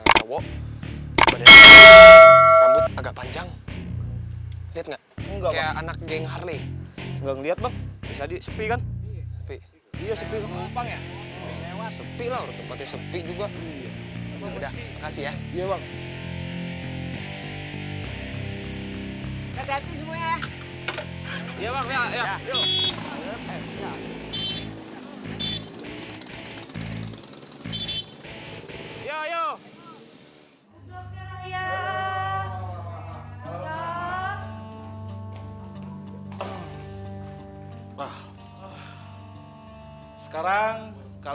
yaudah kalo gitu om dudung yang anterin cewek cewek pulang ya